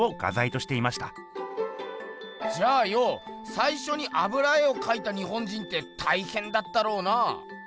じゃあよさいしょに油絵をかいた日本人ってたいへんだったろうな。